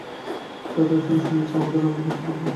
তা ছাড়া শুনেছি আপনার রান্নার হাত অপূর্ব।